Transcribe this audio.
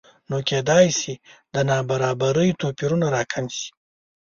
نو کېدای شي د نابرابرۍ توپیرونه راکم شي